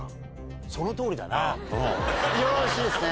よろしいですね。